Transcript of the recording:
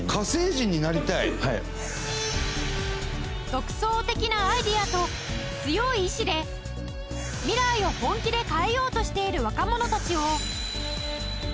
独創的なアイデアと強い意志で未来を本気で変えようとしている若者たちを